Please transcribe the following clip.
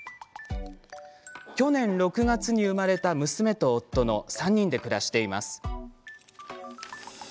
去年６月に生まれた娘と夫の３人で暮らしています。